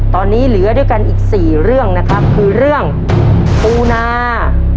ตอนนี้เหลือด้วยกันอีกสี่เรื่องนะครับคือเรื่องปูนา